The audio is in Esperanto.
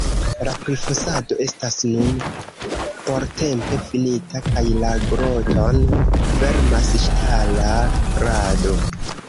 La prifosado estas nun portempe finita, kaj la groton fermas ŝtala krado.